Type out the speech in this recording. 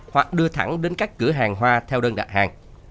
hoặc đưa thẳng đến các cửa hàng hoa theo đơn đặt hàng